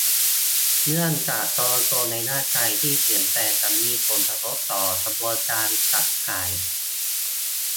เนื่องจากฮอร์โมนในร่างกายที่เปลี่ยนแปลงจะมีผลกระทบต่อกระบวนการขับถ่าย